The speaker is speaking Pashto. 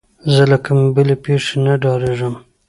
زه له کومې بلې پېښې نه ډارېدم.